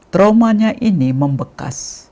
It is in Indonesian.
traumanya ini membekas